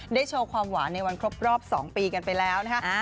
โชว์ความหวานในวันครบรอบ๒ปีกันไปแล้วนะคะ